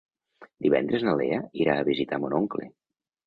Divendres na Lea irà a visitar mon oncle.